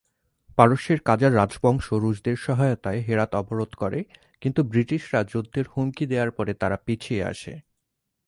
পারস্যের কাজার রাজবংশ রুশদের সহায়তায় হেরাত অবরোধ করে কিন্তু ব্রিটিশরা যুদ্ধের হুমকি দেয়ার পর তারা পিছিয়ে আসে।